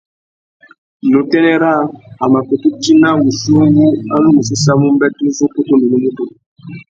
Nà utênê râā, a mà kutu tina wuchi uwú a nu mù séssamú umbêtê uzu ukutu nà unúmútú.